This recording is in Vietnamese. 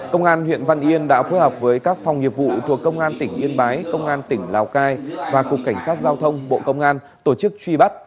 công an huyện văn yên đã phối hợp với các phòng nghiệp vụ thuộc công an tỉnh yên bái công an tỉnh lào cai và cục cảnh sát giao thông bộ công an tổ chức truy bắt